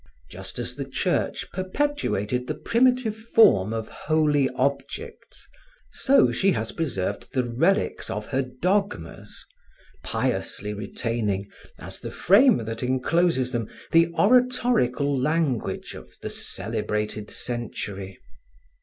Just as the Church perpetuated the primitive form of holy objects, so she has preserved the relics of her dogmas, piously retaining, as the frame that encloses them, the oratorical language of the celebrated century.